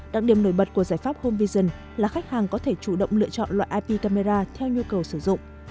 đặc điểm nổi bật của giải pháp home vision là khách hàng có thể chủ động lựa chọn loại ip camera theo nhu cầu sử dụng